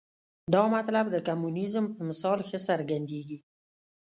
دا مطلب د کمونیزم په مثال ښه څرګندېږي.